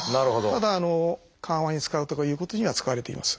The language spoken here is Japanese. ただ緩和に使うとかいうことには使われています。